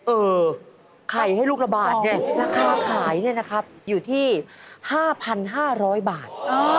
เออไข่ให้ลูกละบาทเนี่ยราคาขายเนี่ยนะครับอยู่ที่๕๕๐๐บาท